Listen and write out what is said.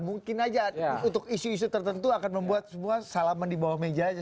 mungkin aja untuk isu isu tertentu akan membuat semua salaman di bawah meja aja